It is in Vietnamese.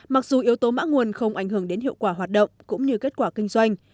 mặc dù yếu tố mã nguồn không ảnh hưởng đến hiệu quả hoạt động cũng như kết quả kinh doanh